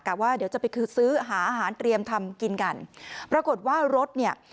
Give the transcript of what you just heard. ว่าเดี๋ยวจะไปคือซื้อหาอาหารเตรียมทำกินกันปรากฏว่ารถเนี่ย